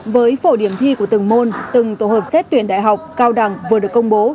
với phổ điểm thi của từng môn từng tổ hợp xét tuyển đại học cao đẳng vừa được công bố